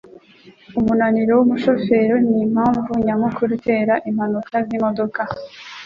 Umunaniro wumushoferi nimpamvu nyamukuru itera impanuka zimodoka.